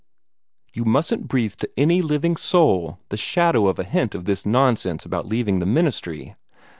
"You mustn't breathe to any living soul the shadow of a hint of this nonsense about leaving the ministry.